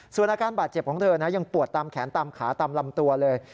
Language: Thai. ส่วนอาการบาดเจ็บของเธอนะยังปวดตามแขนตามขาตามลำตัวเลย